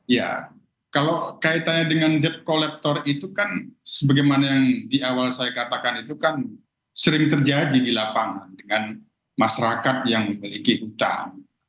ya kalau kaitannya dengan debt collector itu kan sebagaimana yang di awal saya katakan itu kan sering terjadi di lapangan dengan masyarakat yang memiliki hutang